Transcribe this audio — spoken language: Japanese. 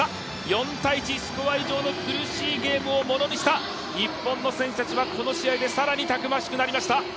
４−１、スコア以上の苦しいゲームをものにした、日本の選手たちはこの試合で更にたくましくなりました。